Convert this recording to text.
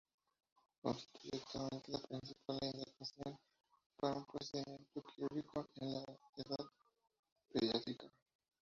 Constituye actualmente la principal indicación para un procedimiento quirúrgico en la edad pediátrica.